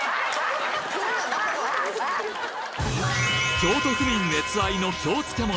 京都府民熱愛の京漬物。